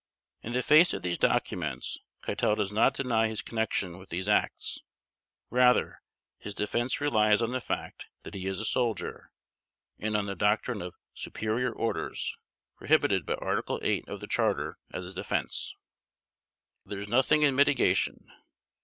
In the face of these documents Keitel does not deny his connection with these acts. Rather, his defense relies on the fact that he is a soldier, and on the doctrine of "superior orders", prohibited by Article 8 of the Charter as a defense. There is nothing in mitigation.